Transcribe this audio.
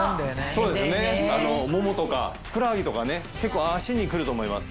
そうですねももとかふくらはぎとか結構脚に来ると思います。